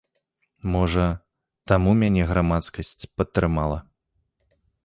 Можа, таму мяне грамадскасць падтрымала.